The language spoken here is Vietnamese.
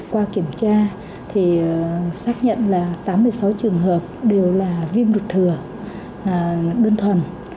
qua kiểm tra thì xác nhận là tám mươi sáu trường hợp đều là viêm ruột thừa đơn thuần